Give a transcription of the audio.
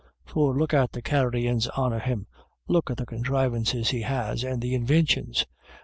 For look at the carryins on of him ; look at the conthrivances he has, and the invintions.